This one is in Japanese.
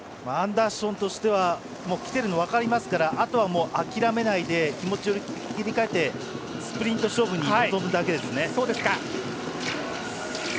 アンダーションとしては来てるの分かりますからあとは諦めないで気持ちを切り替えてスプリント勝負に臨むだけです。